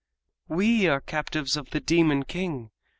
"We are captives of the Demon King.